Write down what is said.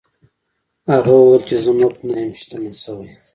هغه وویل چې زه مفت نه یم شتمن شوی.